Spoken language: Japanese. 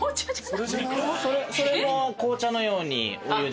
それも紅茶のようにお湯で？